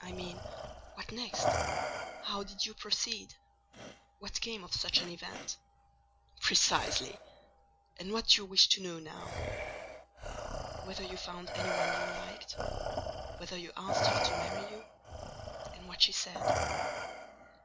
"I mean,—What next? How did you proceed? What came of such an event?" "Precisely! and what do you wish to know now?" "Whether you found any one you liked: whether you asked her to marry you; and what she said."